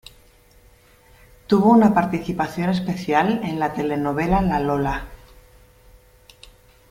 Tuvo una participación especial en la telenovela La Lola.